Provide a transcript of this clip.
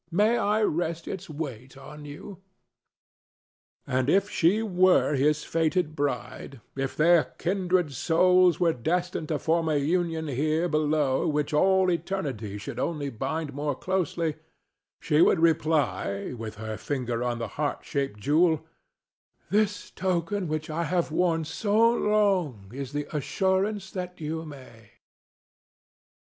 May I rest its weight on you?" And if she were his fated bride—if their kindred souls were destined to form a union here below which all eternity should only bind more closely—she would reply, with her finger on the heart shaped jewel, "This token which I have worn so long is the assurance that you may."